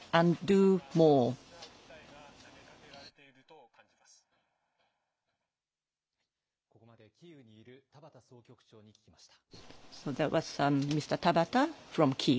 ここまでキーウにいる田端総局長に聞きました。